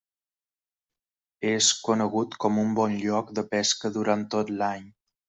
És conegut com un bon lloc de pesca durant tot l'any.